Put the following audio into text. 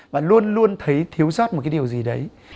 và luôn luôn thấy thiếu sót một cái điều gì đấy